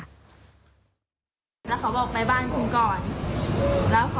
แล้วเขาบอกไปบ้านคุณก่อน